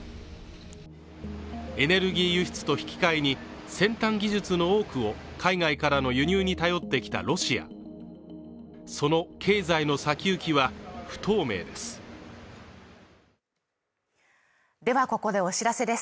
エネルギー輸出と引き換えに先端技術の多くを海外からの輸入に頼ってきたロシアその経済の先行きは不透明ですではここでお知らせです